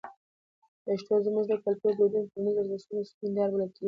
پښتو زموږ د کلتور، دودونو او ټولنیزو ارزښتونو رښتینې هنداره بلل کېږي.